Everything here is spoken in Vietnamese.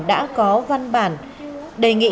đã có văn bản đề nghị